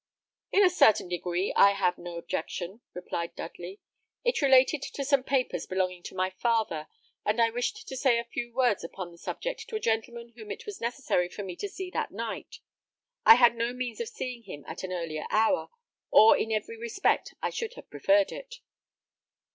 "In a certain degree, I have no objection," replied Dudley. "It related to some papers belonging to my father, and I wished to say a few words upon the subject to a gentleman whom it was necessary for me to see that night. I had no means of seeing him at an earlier hour, or in every respect I should have preferred it."